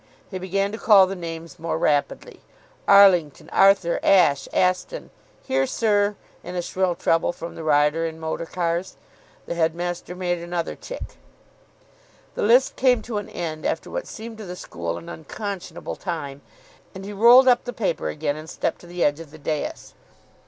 He began to call the names more rapidly. "Arlington. Arthur. Ashe. Aston." "Here, sir," in a shrill treble from the rider in motorcars. The headmaster made another tick. The list came to an end after what seemed to the school an unconscionable time, and he rolled up the paper again, and stepped to the edge of the dais.